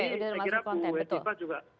jadi saya kira bu hedipa juga